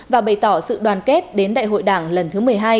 và bày tỏ sự đoàn kết đến đại hội đảng lần thứ một mươi hai